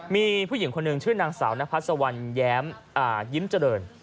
มีผู้หญิงคนหนึ่งชื่อนางสาวนพัสวันแย้มยิ้มเจริญ